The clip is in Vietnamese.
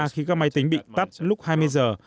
khi các máy tính bị tắt lúc hai mươi giờ